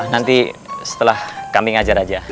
nanti setelah kami mengajar saja